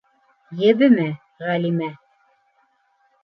Ебемә, Ғәлимә.